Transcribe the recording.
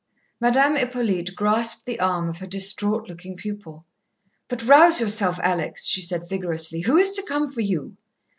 Madame Hippolyte grasped the arm of her distraught looking pupil. "But rouse yourself, Alex!" she said vigorously. "Who is to come for you?"